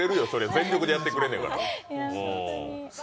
全力でやってくれるんだから。